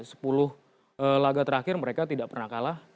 sepuluh laga terakhir mereka tidak pernah kalah